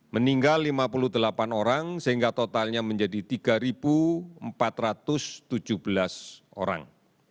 meninggal lima puluh delapan orang sehingga totalnya menjadi tiga empat ratus tujuh belas orang